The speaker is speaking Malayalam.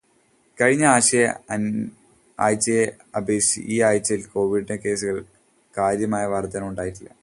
കഴിഞ്ഞ ആഴ്ചയെ അപേക്ഷിച്ച് ഈ ആഴ്ചയില് കോവിഡ് കേസുകളില് കാര്യമായി വര്ധനവുണ്ടായിട്ടില്ല.